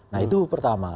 nah itu pertama